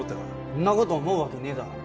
んなこと思うわけねえだろ